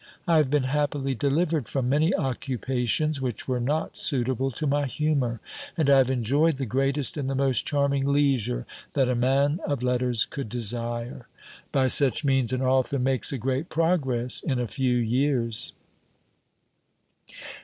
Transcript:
I have been happily delivered from many occupations which were not suitable to my humour; and I have enjoyed the greatest and the most charming leisure that a man of letters could desire. By such means an author makes a great progress in a few years."